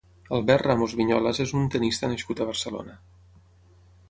Albert Ramos Viñolas és un tennista nascut a Barcelona.